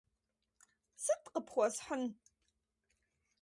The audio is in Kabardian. Сыт къыпхуэсхьын?